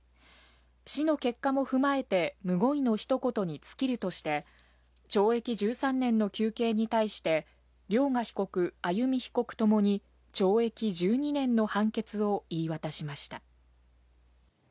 死の結果も踏まえてむごいのひと言に尽きるとして、懲役１３年の求刑に対して、涼雅被告、歩被告ともに懲役１２年の判決を言い渡しました。